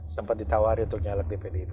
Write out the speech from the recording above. sempat ditawari untuk nyalek di pdip